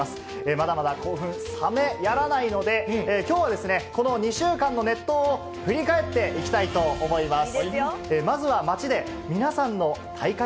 まだまだ興奮冷めやらないので、きょうはですね、この２週間の熱闘を振り返っていきたいと思います。